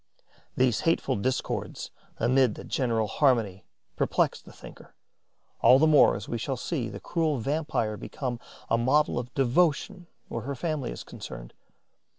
These hateful discords amid the general harmony perplex the thinker, all the more as we shall see the cruel vampire become a model of devotion where her family is concerned.